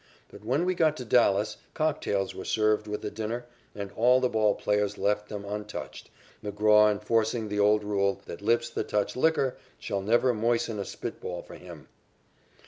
But when we got to Dallas cocktails were served with the dinner and all the ball players left them untouched, McGraw enforcing the old rule that lips that touch "licker" shall never moisten a spit ball for him.